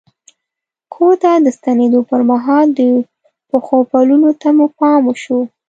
کور ته د ستنېدو پر مهال د پښو پلونو ته مو پام شو.